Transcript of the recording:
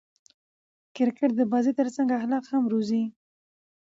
کرکټ د بازي ترڅنګ اخلاق هم روزي.